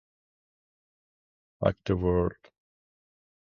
Fuck the World